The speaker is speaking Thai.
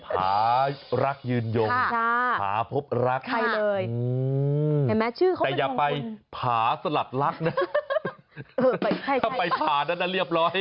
ผารักยืนยงผาพบรักอืมแต่อย่าไปผาสลัดรักนะถ้าไปผาแล้วนั้นเรียบร้อย